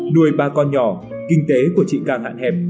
đuôi ba con nhỏ kinh tế của chị càng hạn hẹp